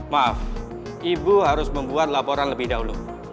maaf ibu harus membuat laporan lebih dahulu